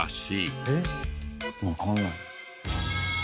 わかんない。